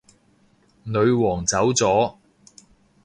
女皇走咗